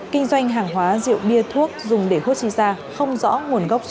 kinh doanh hàng hóa rượu bia thuốc dùng để hút xin ra không rõ nguồn gốc xuất xứ